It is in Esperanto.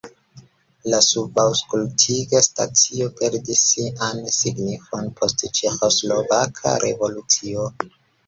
La subaŭskultiga stacio perdis sian signifon post ĉeĥoslovaka revolucio.